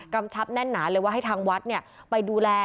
ชับแน่นหนาเลยว่าให้ทางวัดไปดูแล